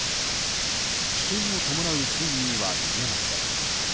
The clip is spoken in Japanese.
危険を伴う水位には見えません。